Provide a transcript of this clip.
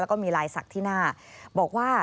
แล้วก็มีลายศักดิ์ที่หน้าบอกว่า